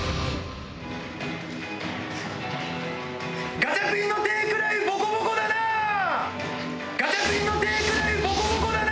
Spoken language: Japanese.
ガチャピンの手くらいボコボコだな！